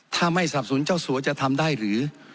ถ้าไม่สรรพสุนเจ้าสู่อจะทำได้หรือ